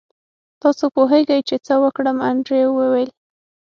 تاسو پوهیږئ چې څه وکړم انډریو وویل